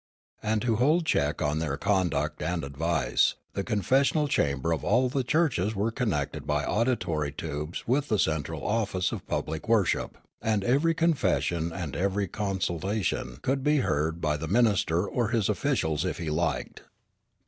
And to hold check on their conduct and advice, the confes sional chambers of all the churches were connected b}^ auditor}^ tubes with the central office of public worship, and every confession and ever} consolation could be heard by the minister or his officials if he liked.